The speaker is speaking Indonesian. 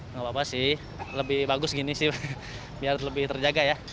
nggak apa apa sih lebih bagus gini sih biar lebih terjaga ya